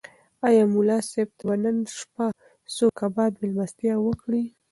ایا ملا صاحب ته به نن شپه څوک کباب مېلمستیا وکړي؟